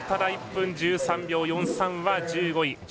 １分１３秒４３は１５位。